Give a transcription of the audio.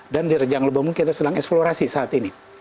dan di rejang lebong kita sedang eksplorasi saat ini